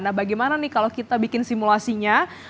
nah bagaimana nih kalau kita bikin simulasinya